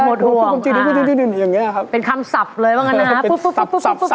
หมดห่วงค่ะปุ๊บปุ๊บปุ๊บปุ๊บเป็นคำสับเลยค่ะปุ๊บ